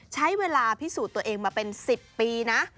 ใช้เวลาพิสูจน์ตัวเองมาเป็น๑๐ปีนะ